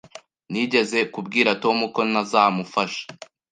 Nigeze kubwira Tom ko ntazamufasha.